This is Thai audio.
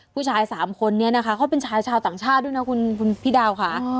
ผู้ชาย๓คนนี้นะคะเขาเป็นชายชาวต่างชาติด้วยนะคุณพี่ดาวค่ะ